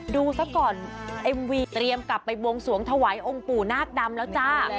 ซะก่อนเอ็มวีเตรียมกลับไปบวงสวงถวายองค์ปู่นาคดำแล้วจ้า